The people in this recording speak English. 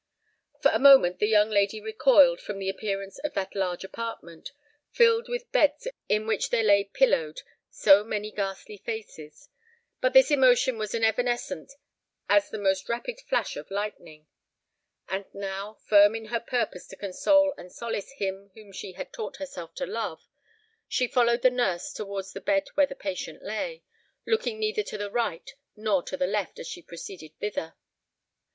For a moment the young lady recoiled from the appearance of that large apartment, filled with beds in which there lay pillowed so many ghastly faces; but this emotion was as evanescent as the most rapid flash of lightning. And now, firm in her purpose to console and solace him whom she had taught herself to love, she followed the nurse towards the bed where the patient lay,—looking neither to the right nor to the left as she proceeded thither.